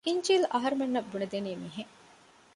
އިންޖީލު އަހަރުމެންނަށް ބުނެދެނީ މިހެން